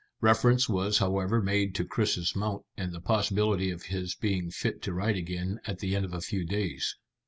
Reference was however made to Chris's mount and the possibility of his being fit to ride again at the end of a few days.